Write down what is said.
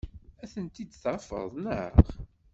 Ad tent-id-tafeḍ, naɣ?